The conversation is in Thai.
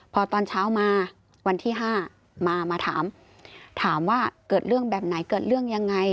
พอตอนเช้ามาวันที่๕มามาถามถามว่าเกิดเรื่องแบบไหนเกิดเรื่องยังไง